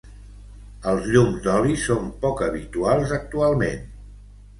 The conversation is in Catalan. Els llums d'oli són poc habituals actualment.